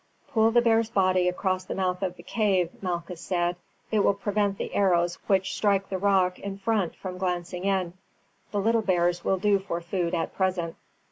"Pull the bear's body across the mouth of the cave," Malchus said, "it will prevent the arrows which strike the rock in front from glancing in. The little bears will do for food at present."